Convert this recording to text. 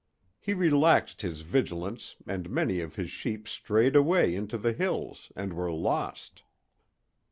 He relaxed his vigilance and many of his sheep strayed away into the hills and were lost.